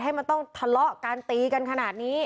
ให้มันต้องทะเลาะกันตีกันขนาดนี้